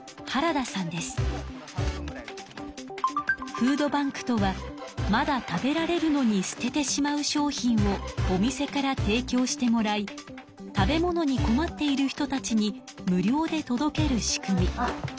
フードバンクとはまだ食べられるのに捨ててしまう商品をお店から提きょうしてもらい食べ物に困っている人たちに無料で届ける仕組み。